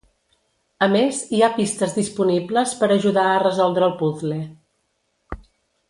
A més, hi ha pistes disponibles per ajudar a resoldre el puzle.